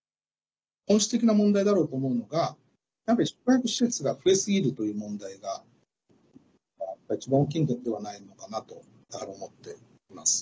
本質的な問題だろうと思うのがやはり宿泊施設が増えすぎるという問題が一番大きい問題ではないのかなと思っています。